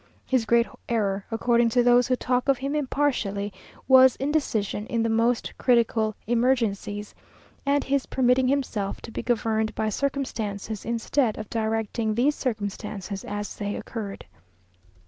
His great error, according to those who talk of him impartially, was indecision in the most critical emergencies, and his permitting himself to be governed by circumstances, instead of directing these circumstances as they occurred.